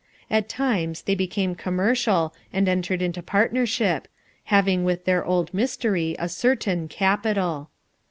At times, they became commercial and entered into partnership, having with their old mystery a "certain" capital.